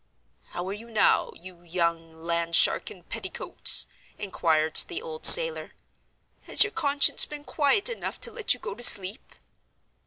"How are you now, you young land shark in petticoats?" inquired the old sailor. "Has your conscience been quiet enough to let you go to sleep?"